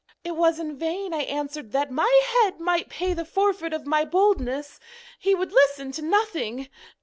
It was in vain I answered that my head might pay the forfeit of my boldness, he would listen to nothing.